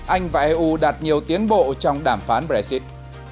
anh và eu đạt nhiều tiến bộ trong đàm phán brexit